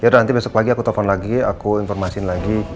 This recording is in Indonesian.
yaudah nanti besok pagi aku telfon lagi aku informasiin lagi